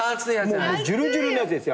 もうじゅるじゅるのやつですよ。